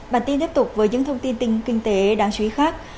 bản tin tiếp tục với những thông tin kinh tế đáng chú ý khác